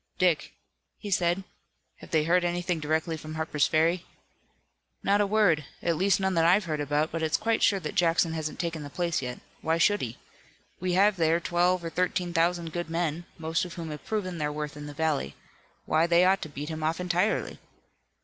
"Dick," he said, "have they heard anything directly from Harper's Ferry?" "Not a word, at least none that I've heard about, but it's quite sure that Jackson hasn't taken the place yet. Why should he? We have there twelve or thirteen thousand good men, most of whom have proven their worth in the valley. Why, they ought to beat him off entirely."